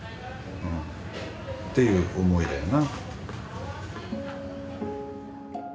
うんっていう思いだよな。